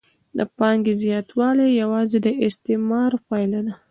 د پانګې زیاتوالی یوازې د استثمار پایله ده